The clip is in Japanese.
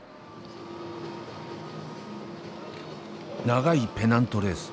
長いペナントレース。